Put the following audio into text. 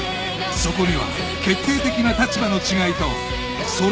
そこには決定的な立場の違いとそれぞれの正義がある